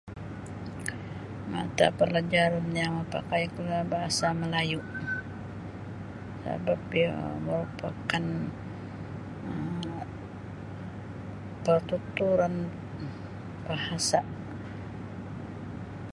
Mata pelajaran yang mapakaikulah bahasa Melayu sabap iyo merupakan um pertuturan bahasa'.